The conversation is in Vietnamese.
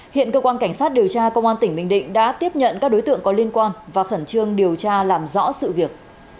hiện cơ quan cảnh sát điều tra công an tỉnh bình định đã tiếp nhận các đối tượng có liên quan và khẩn trương điều tra làm rõ sự việc